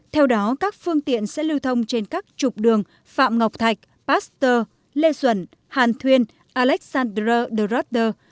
theo đó các phương tiện sẽ lưu thông trên các trục đường phạm ngọc thạch pasteur lê duẩn hàn thuyên alexandra dorotter